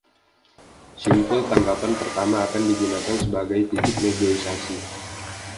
Simpul tanggapan pertama akan digunakan sebagai titik negosiasi.